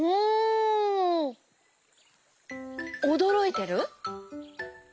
おどろいてる？